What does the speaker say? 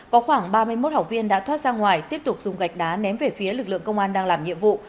có khoảng ba mươi một học viên đã thoát ra ngoài tiếp tục dùng gạch đá ném về phía lực lượng công an đang làm nhiệm vụ